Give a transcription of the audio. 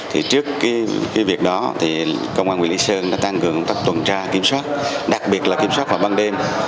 thì trước cái việc đó thì công an huyện lý sơn đã tăng cường công tác tuần tra kiểm soát đặc biệt là kiểm soát vào ban đêm